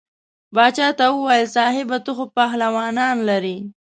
باچا ته وویل صاحبه ته خو پهلوانان لرې.